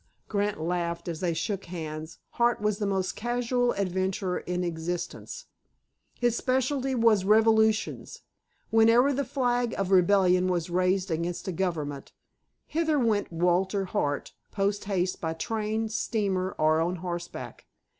Grant laughed as they shook hands. Hart was the most casual adventurer in existence. His specialty was revolutions. Wherever the flag of rebellion was raised against a government, thither went Walter Hart post haste by train, steamer, or on horseback.